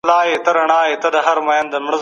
يو لاس غږ نه لري.